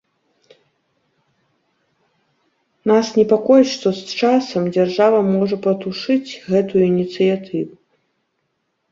Нас непакоіць, што часам дзяржава можа патушыць гэтую ініцыятыву.